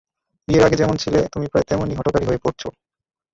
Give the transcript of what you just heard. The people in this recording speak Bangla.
বিয়ের আগে যেমন ছিলে তুমি প্রায় তেমনই হঠকারী হয়ে পড়ছ।